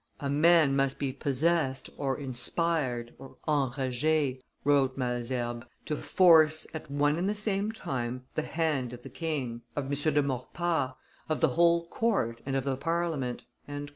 "A man must be possessed (or inspired enrage)," wrote Malesherbes, "to force, at one and the same time, the hand of the king, of M. de Maurepas, of the whole court and of the Parliament."